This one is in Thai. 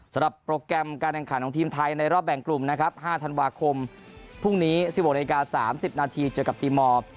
สำหรับโปรแกรมการแห่งขันของทีมไทยในรอบแบ่งกลุ่ม๕ธันวาคมพรุ่งนี้๑๖น๓๐นเจอกับตีมอร์